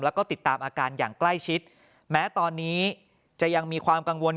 แล้วก็ติดตามอาการอย่างใกล้ชิดแม้ตอนนี้จะยังมีความกังวล